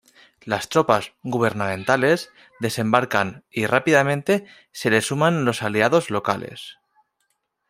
Las tropas gubernamentales desembarcan y rápidamente se le suman los aliados locales.